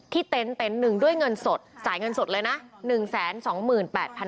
ที่เต็นต์๑ด้วยเงินสดสายเงินสดเลยนะ